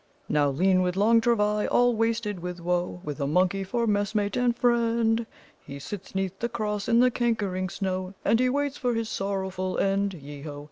"Now lean with long travail, all wasted with woe, With a monkey for messmate and friend, He sits 'neath the Cross in the cankering snow, And waits for his sorrowful end, Yeo ho!